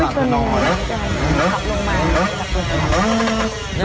นี่ไงวันนั้นคือแล้วที่เราอาหาร